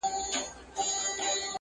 غنمرنگو کي سوالگري پيدا کيږي~